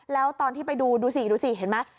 แล้วตอนที่ไปดูดูสิดูสิเห็นไหม